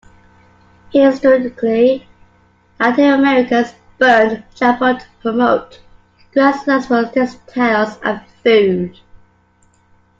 Historically, Native Americans burned chaparral to promote grasslands for textiles and food.